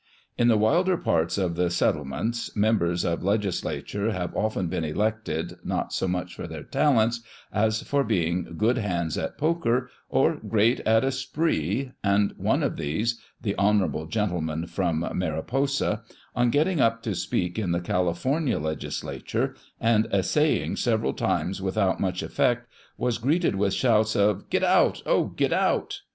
In the wilder parts of the settlements mem bers of legislature have often been elected, not so much for their talents, as for being " good hands at poker," or " great on a spree," and one of these (" the honourable gentleman from Mari posa"), on getting up to speak in the Cali fornia legislature, and essaying several times without much effect, was greeted with shouts of " Git out. Oh ! git out."